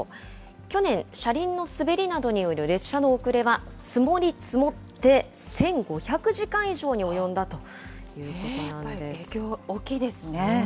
去年、車輪の滑りなどによる列車の遅れは、積もり積もって１５００時間以上に及んだということなんです。